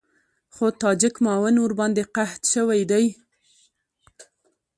خو تاجک معاون ورباندې قحط شوی دی.